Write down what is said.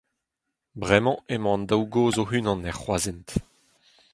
Bremañ emañ an daou gozh o-unan er c’hroaz-hent.